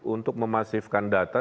untuk memasifkan data